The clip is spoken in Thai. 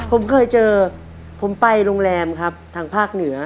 ผมเคยเจอผมไปโรงแรมครับทางภาคเหนือ